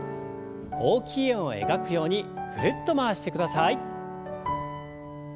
大きい円を描くようにぐるっと回してください。